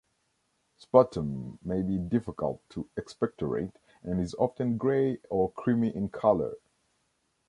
Sputum may be difficult to expectorate and is often grey or creamy in color.